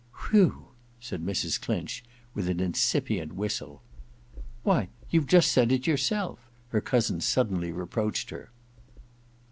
' Whew !' said Mrs. Clinch, with an incipient whistle. *Why, you've just said it yourself!' her cousin suddenly reproached her.